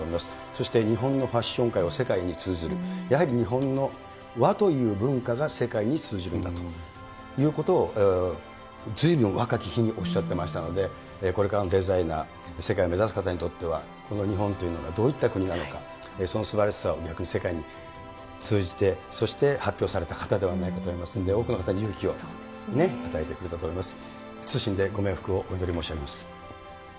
そして日本のファッション界を世界に通ずる、やはり日本の和という文化が世界に通じるんだということを、ずいぶん若き日におっしゃっていましたので、これからのデザイナー、世界を目指す方にとっては、この日本というのがどういった国なのか、そのすばらしさを逆に世界に通じて、そして発表された方ではないかと思いますので、多くの方に勇気を与えてくれたと思います。